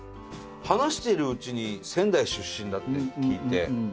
話してるうちに仙台出身だって聞いて。